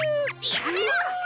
やめろ！